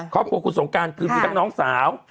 ครอบครัวคุณสงการคือมีทั้งน้องสาว